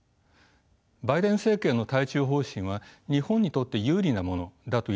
バイデン政権の対中方針は日本にとって有利なものだと言えるでしょう。